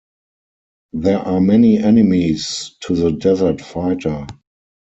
There are many enemies to the desert fighter.